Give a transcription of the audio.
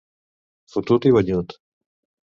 Fotut i banyut.